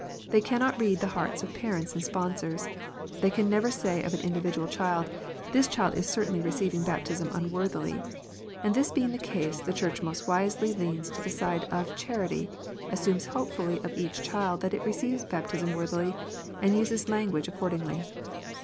They cannot read the hearts of parents and sponsors. They can never say of any individual child, "This child is certainly receiving baptism unworthily." And this being the case, the Church most wisely leans to the side of charity, assumes hopefully of each child that it receives baptism worthily, and uses language accordingly.